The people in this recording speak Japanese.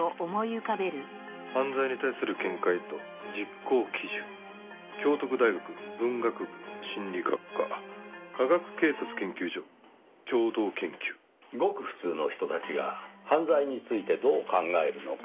「『犯罪に対する見解と実行基準』」「享徳大学文学部心理学科科学警察研究所共同研究」ごく普通の人たちが犯罪についてどう考えるのか。